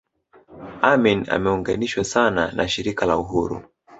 Amin ameunganishwa sana na Shirika la Uhuru